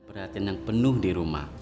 perhatian yang penuh di rumah